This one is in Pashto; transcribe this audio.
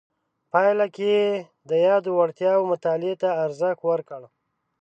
پایله کې یې د یادو وړتیاو مطالعې ته ارزښت ورکړ.